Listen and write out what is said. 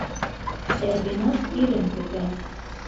Сәрбиназ ирен көтә.